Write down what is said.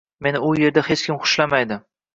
Meni u erda hech kim xushlamaydi